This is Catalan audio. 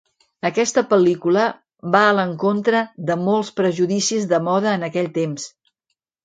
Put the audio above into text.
Aquesta pel·lícula va a l'encontre de molts prejudicis de moda en aquell temps.